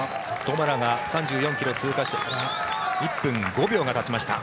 トマラが３４ｋｍを通過して１分５秒がたちました。